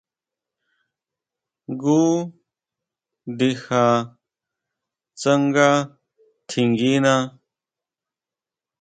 Jngu ndija tsanga tjinguina.